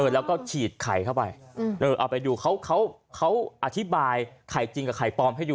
แล้วก็ฉีดไข่เข้าไปเอาไปดูเขาอธิบายไข่จริงกับไข่ปลอมให้ดู